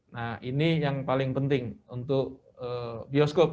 nah ini yang paling penting untuk bioskop